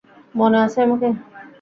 মনে আছে আমাকে?